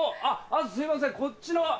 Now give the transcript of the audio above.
あっあとすいませんこっちの。